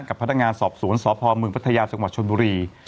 กับพัฒนางานสอบศูนย์สอบภอมเมืองพัทยาจังหวัดชนบุรี